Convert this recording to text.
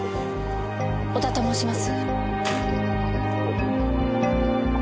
織田と申します。